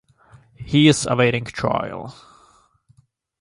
He is awaiting trial.